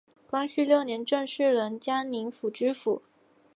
光绪六年正式任江宁府知府。